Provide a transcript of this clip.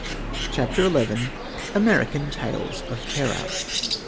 CHAPTER XI AMERICAN TALES OF TERROR.